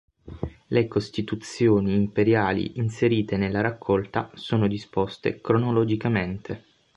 Le costituzioni imperiali inserite nella raccolta sono disposte cronologicamente.